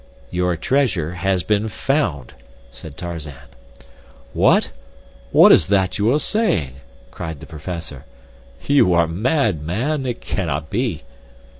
"Your treasure has been found," said Tarzan. "What—what is that you are saying?" cried the professor. "You are mad, man. It cannot be."